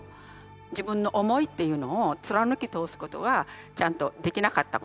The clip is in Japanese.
自分の思いっていうのを貫き通すことがちゃんとできなかったこと。